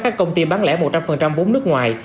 các công ty bán lẻ một trăm linh vốn nước ngoài